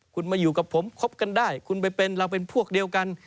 คุณมาอยู่กับผมคบกันได้คุณไปเป็นเราเป็นพวกเดียวกัน